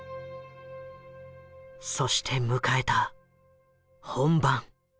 そして迎えた本番。